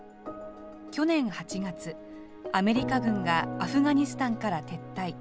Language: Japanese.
去年８月、アメリカ軍がアフガニスタンから撤退。